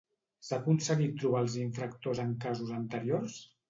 S'ha aconseguit trobar els infractors en casos anteriors?